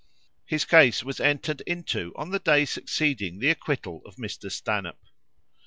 His case was entered into on the day succeeding the acquittal of Mr. Stanhope.